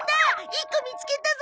１個見つけたぞ。